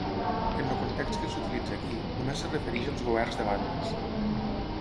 En el context que s'utilitza aquí, només es refereix als governs de bandes.